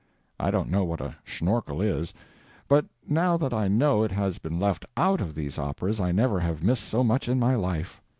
I don't know what a _Schnorkel _is, but now that I know it has been left out of these operas I never have missed so much in my life.